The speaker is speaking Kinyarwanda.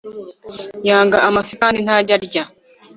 Yanga amafi kandi ntajya arya